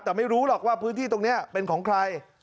แต่ไม่รู้หรอกว่าพื้นที่ตรงนี้เป็นของใคร